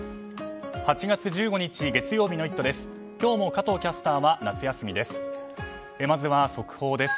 ８月１５日、月曜日の「イット！」です。